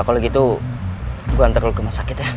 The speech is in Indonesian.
kalau gitu gue antar lu ke masakit ya